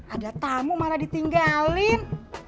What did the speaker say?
ada tamu mana ditinggalin